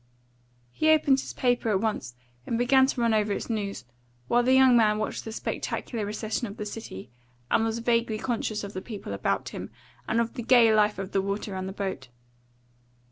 He opened his paper at once and began to run over its news, while the young man watched the spectacular recession of the city, and was vaguely conscious of the people about him, and of the gay life of the water round the boat.